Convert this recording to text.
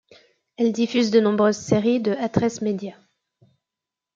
Elle diffuse de nombreuses séries de Atresmedia.